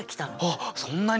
あっそんなに？